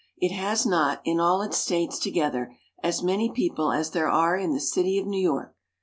It has not, in all its states together, as many people as there are in the city of New York.